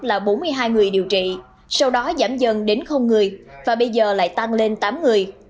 là bốn mươi hai người điều trị sau đó giảm dần đến người và bây giờ lại tăng lên tám người